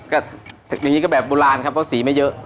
ก็อย่างนี้ก็แบบโบราณครับเพราะสีไม่เยอะ